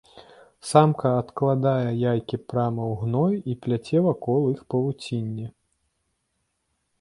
Самка адкладае яйкі прама ў гной і пляце вакол іх павуцінне.